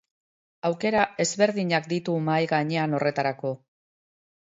Aukera ezberdinak ditu mahai gainean horretarako.